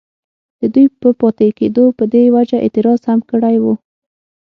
ددوي پۀ پاتې کيدو پۀ دې وجه اعتراض هم کړی وو،